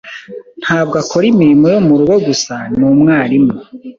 Ntabwo akora imirimo yo murugo gusa, ni umwarimu.